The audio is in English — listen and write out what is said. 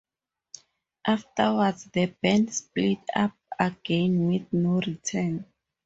Afterwards, the band split up again with no return.